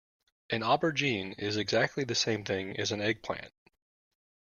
An aubergine is exactly the same thing as an eggplant